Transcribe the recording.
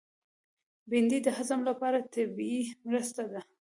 بېنډۍ د هضم لپاره طبیعي مرسته ده